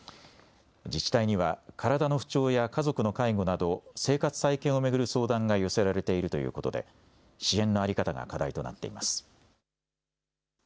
自治体には体の不調や家族の介護など、生活再建を巡る相談が寄せられているということで、支援の在り方が課題となっています。